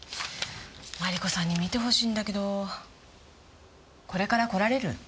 マリコさんに見てほしいんだけどこれから来られる？